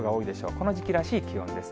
この時期らしい気温です。